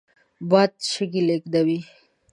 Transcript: باد شګې لېږدوي